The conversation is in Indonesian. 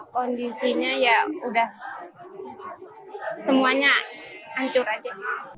kondisinya ya udah semuanya hancur aja